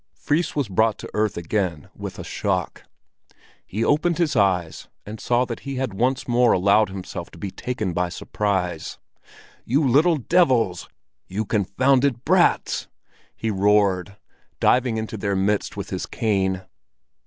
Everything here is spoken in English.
Fris was brought to earth again with a shock. He opened his eyes, and saw that he had once more allowed himself to be taken by surprise. "You little devils! You confounded brats!" he roared, diving into their midst with his cane.